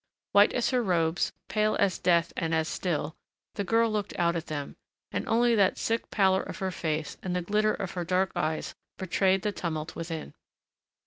White as her robes, pale as death and as still, the girl looked out at them, and only that sick pallor of her face and the glitter of her dark eyes betrayed the tumult within.